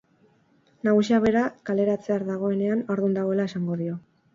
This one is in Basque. Nagusia bera kaleratzear dagoenean haurdun dagoela esango dio.